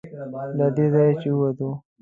له دې ځایه چې ووتو.